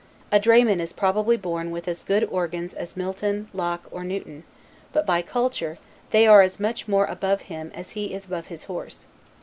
A drayman is probably born with as good organs as Milton, Locke, or Newton; but, by culture, they are as much more above him as he is above his horse.